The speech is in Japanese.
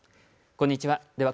こんにちは。